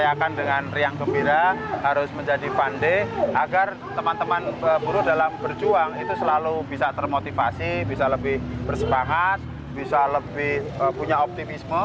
saya akan dengan riang gembira harus menjadi pandai agar teman teman buruh dalam berjuang itu selalu bisa termotivasi bisa lebih bersepakat bisa lebih punya optimisme